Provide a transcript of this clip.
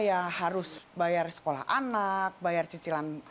ya harus bayar sekolah anak bayar cicilan